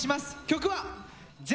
曲は。